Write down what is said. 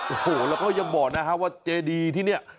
โอ้โหแล้วก็ยังบอกนะฮะว่าเจดีที่เนี่ย